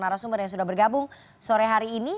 narasumber yang sudah bergabung sore hari ini